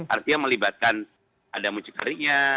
artinya melibatkan ada mucikaringnya